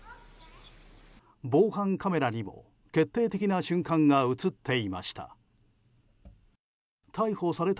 防犯カメラにも決定的な瞬間が映っていました。